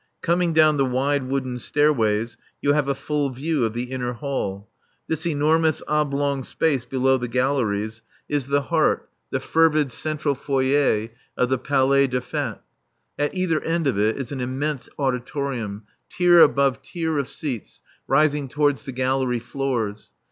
Coming down the wide wooden stairways you have a full view of the Inner Hall. This enormous oblong space below the galleries is the heart, the fervid central foyer of the Palais des Fêtes. At either end of it is an immense auditorium, tier above tier of seats, rising towards the gallery floors.